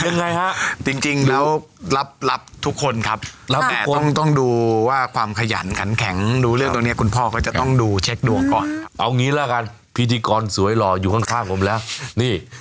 เนี่ยนะครับไม่ดูเลือกของวุฒิการศึกษาเขาหรอ